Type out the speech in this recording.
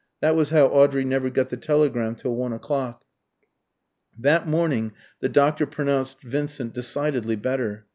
That was how Audrey never got the telegram till one o'clock. That morning the doctor pronounced Vincent decidedly better.